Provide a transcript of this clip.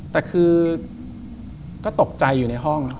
แต่คือก็ตกใจอยู่ในห้อง